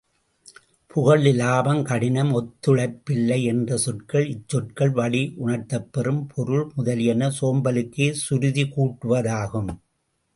புகழ், இலாபம், கடினம், ஒத்துழைப்பில்லை என்ற சொற்கள், இச்சொற்கள் வழி உணர்த்தப்பெறும் பொருள் முதலியன சோம்பலுக்கே சுருதி கூட்டுவதாகும்.